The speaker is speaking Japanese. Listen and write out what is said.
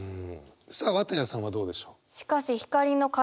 さあ綿矢さんはどうでしょう？